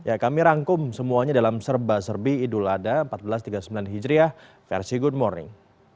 ya kami rangkum semuanya dalam serba serbi idul adha seribu empat ratus tiga puluh sembilan hijriah versi good morning